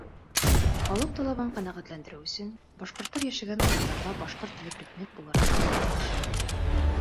Халыҡ талабын ҡәнәғәтләндереү өсөн, башҡорттар йәшәгән урындарҙа башҡорт теле предмет булараҡ уҡытыла башланы.